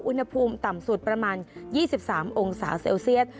อุณหภูมิต่ำสุดประมาณ๒๓องศาเซลเซียส